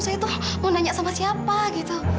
saya itu mau nanya sama siapa gitu